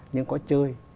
nhưng có chơi